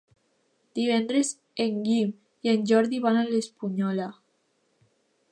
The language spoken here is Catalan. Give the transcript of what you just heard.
Divendres en Guim i en Jordi van a l'Espunyola.